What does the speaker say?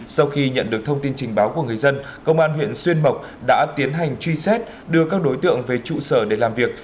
sau khi nhận được thông tin trình báo của người dân công an huyện xuyên mộc đã tiến hành truy xét đưa các đối tượng về trụ sở để làm việc